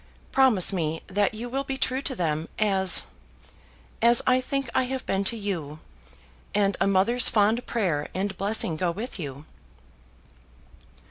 Promise me that you will be true to them as as I think I have been to you and a mother's fond prayer and blessing go with you."